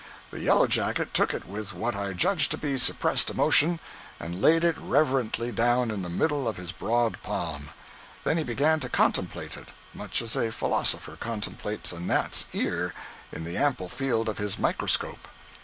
The yellow jacket took it with what I judged to be suppressed emotion, and laid it reverently down in the middle of his broad hand. Then he began to contemplate it, much as a philosopher contemplates a gnat's ear in the ample field of his microscope.